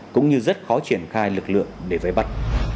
cũng như rất khó triển khai lực lượng để vây bắt